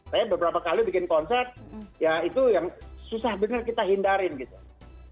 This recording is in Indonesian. saya beberapa kali bikin konsep ya itu yang susah benar kita hindari gitu